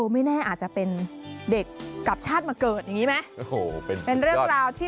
ไม่แน่อาจจะเป็นเด็กกลับชาติมาเกิดอย่างนี้ไหม